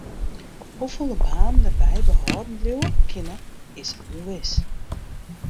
Hoefolle banen dêrby behâlden bliuwe kinne is ûnwis.